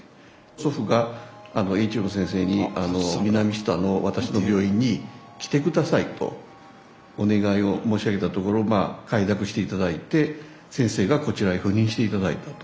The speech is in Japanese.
祖父が栄一郎先生に南知多の私の病院に来て下さいとお願いを申し上げたところまあ快諾して頂いて先生がこちらへ赴任して頂いたと。